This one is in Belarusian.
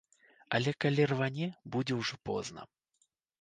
Але калі рване, будзе ўжо позна.